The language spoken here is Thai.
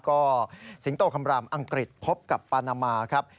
ก็สิงโตคำรามอังกฤษพบกับปานามาครับ